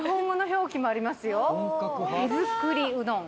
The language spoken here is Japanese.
「手作りうどん」